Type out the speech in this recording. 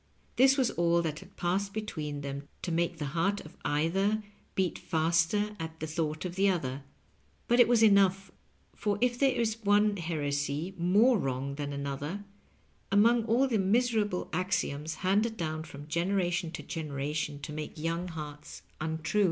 This was all that had passed between them to make the heart of either beat faster at the thought of the other; but it was enough, for if there is one heresy more wrong than an other, among all the miserable axioms handed down from generation to generation to make young hearts un Digitized by VjOOQIC 212 LOVE AND UQHTNINQ.